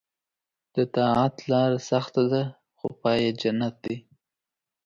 د طاعت لاره سخته ده خو پای یې جنت دی.